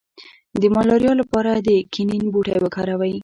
د ملاریا لپاره د کینین بوټی وکاروئ